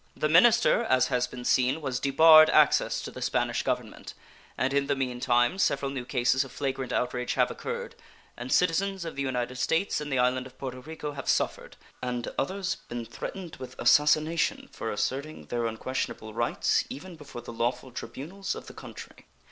The minister, as has been seen, was debarred access to the Spanish Government, and in the mean time several new cases of flagrant outrage have occurred, and citizens of the United States in the island of Porto Rico have suffered, and others been threatened with assassination for asserting their unquestionable rights even before the lawful tribunals of the country.